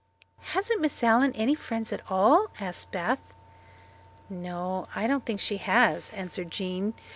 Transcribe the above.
"Hasn't Miss Allen any friends at all?" asked Beth. "No, I don't think she has," answered Jean.